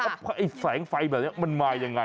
ไฟแบบนี้มันมายยังไง